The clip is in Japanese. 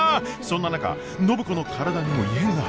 そんな中暢子の体にも異変が！？